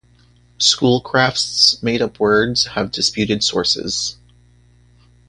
Schoolcraft's made-up words have disputed sources.